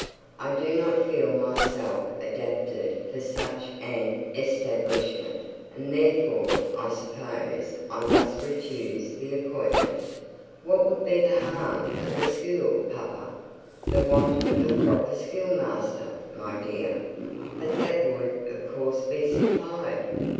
I do not feel myself adapted for such an establishment, and therefore, I suppose, I must refuse the appointment.' 'What would be the harm of the school, papa?' 'The want of a proper schoolmaster, my dear.' 'But that would of course be supplied.'